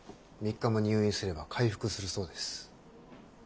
３日も入院すれば回復するそうです。